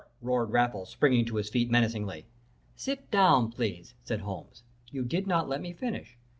roared Raffles, springing to his feet menacingly. "'Sit down, please,' said Holmes. 'You did not let me finish.